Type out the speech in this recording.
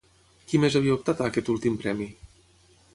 Qui més havia optat a aquest últim premi?